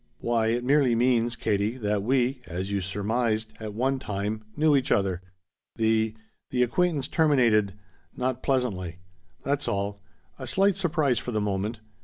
"Why it merely means, Katie, that we as you surmised at one time knew each other. The the acquaintance terminated not pleasantly. That's all. A slight surprise for the moment.